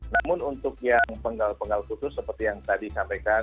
namun untuk yang penggal penggal khusus seperti yang tadi sampaikan